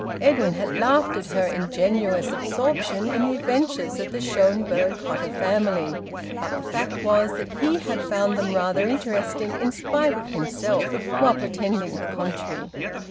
Edwin had laughed at her ingenuous absorption in the adventures of the Schonberg Cotta family, but the fact was that he had found them rather interesting, in spite of himself, while pretending the contrary.